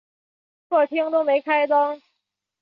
客厅都没开灯